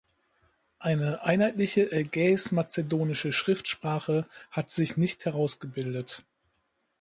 Eine einheitliche ägäis-mazedonische Schriftsprache hat sich nicht herausgebildet.